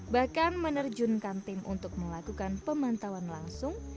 bahkan menerjunkan tim untuk melakukan pemantauan langsung